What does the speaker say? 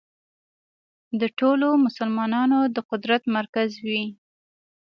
د ټولو مسلمانانو د قدرت مرکز وي.